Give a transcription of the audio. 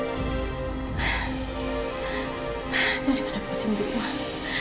jadi pada pusing dukungan